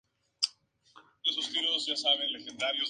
Es el encargado de preservar la memoria del conflicto armado colombiano.